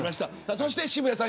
そして渋谷さん